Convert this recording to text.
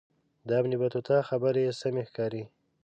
د ابن بطوطه خبرې سمې ښکاري.